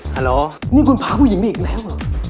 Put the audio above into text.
ฮัลโหลนี่คุณพาผู้หญิงมาอีกแล้ว